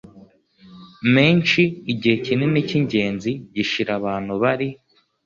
menshi; igihe kinini cy’ingenzi gishira abantu bari